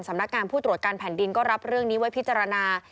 สำนักงานผู้ตรวจการแผ่นดินก็รับเรื่องนี้ไว้พิจารณา